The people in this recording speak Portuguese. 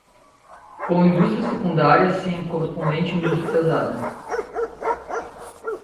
com indústria secundária sem a correspondente indústria pesada